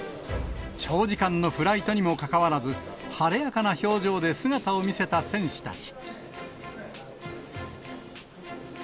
長時間のフライトにもかかわらず、晴れやかな表情で姿を見せた選手たち。